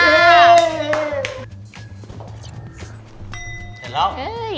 เสร็จแล้ว